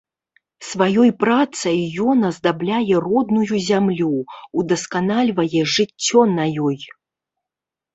Сваёй працай ён аздабляе родную зямлю, удасканальвае жыццё на ёй.